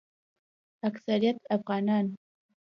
اکثریت افغانان